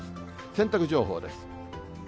洗濯情報です。